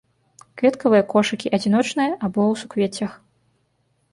Кветкавыя кошыкі адзіночныя або ў суквеццях.